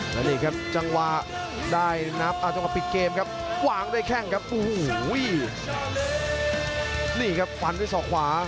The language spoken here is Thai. แล้วนี่ครับจังหวะปิดเกมครับใกล้ทางได้แข็งครับโอ้โหฟันด้วยสอกขวา